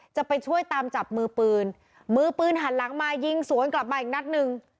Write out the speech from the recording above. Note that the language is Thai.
จะไปช่วยตามจับมือปืนมือปืนหันหลังมายิงสวนกลับมาอีกนัดหนึ่ง